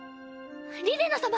リレナ様。